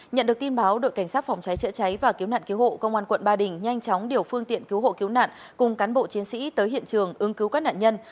nhận được tin báo đội cảnh sát phòng cháy chữa cháy và cứu nạn cứu hộ công an quận ba đình nhanh chóng điều phương tiện cứu hộ cứu nạn cùng cán bộ chiến sĩ tới hiện trường ứng cứu các nạn nhân